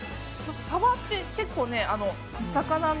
サバって結構ね、魚の。